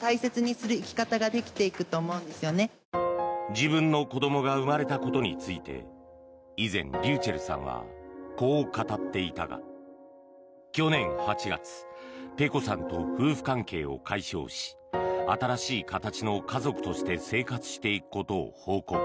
自分の子どもが生まれたことについて以前、ｒｙｕｃｈｅｌｌさんはこう語っていたが去年８月ｐｅｃｏさんと夫婦関係を解消し新しい形の家族として生活していくことを報告。